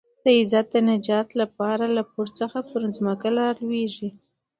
د عزت د نجات لپاره له پوړ څخه پر ځمکه رالوېږي.